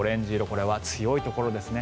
これは強いところですね。